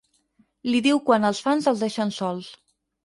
Li diu quan els fans els deixen sols.